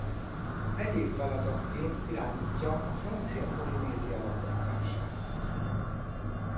Egyéb feladatként irányítja a Francia Polinézia labdarúgását.